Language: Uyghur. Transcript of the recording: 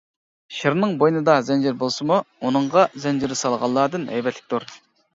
شىرنىڭ بوينىدا زەنجىر بولسىمۇ، ئۇنىڭغا زەنجىر سالغانلاردىن ھەيۋەتلىكتۇر.